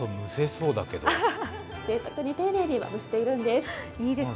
ぜいたくに丁寧にまぶしているんです。